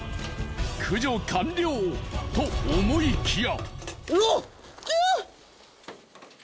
駆除完了！と思いきや。